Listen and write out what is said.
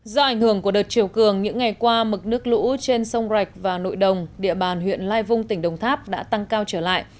do ảnh hưởng của đợt chiều cường những ngày qua mực nước lũ trên sông rạch và nội đồng địa bàn huyện lai vung tỉnh đồng tháp đã tăng cao trở lại